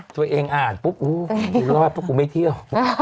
ตัวเองอ่านปุ๊บกูรอดพวกกูไม่เที่ยว